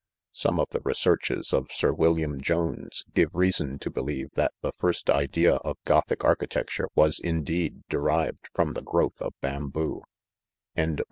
Some of tlie researches of Sir William Jones give rea son to believe that the first idea of Gothic architecture was indeed derived from the growth of bamboo,' 12 .